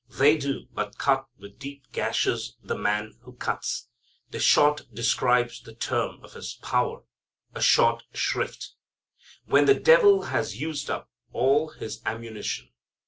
They do but cut with deep gashes the man who cuts. The "short" describes the term of his power, a short shrift. When the devil has used up all his ammunition